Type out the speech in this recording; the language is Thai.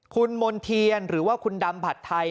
คุณมณ์เทียนหรือว่าคุณดำผัดไทย